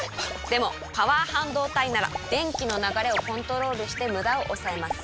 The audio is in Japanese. でもパワー半導体なら電気の流れをコントロールしてムダを抑えます。